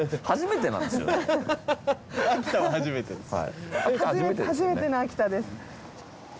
初めての秋田です。